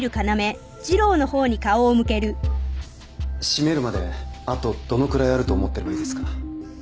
閉めるまであとどのくらいあると思ってればいいですか？